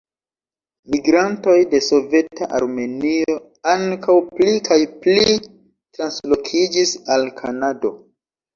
Migrantoj de soveta Armenio ankaŭ pli kaj pli translokiĝis al Kanado.